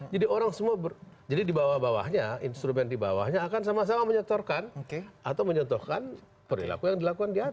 jadi orang semua jadi di bawah bawahnya instrument di bawahnya akan sama sama menyentuhkan atau menyentuhkan perilaku yang dilakukan di atas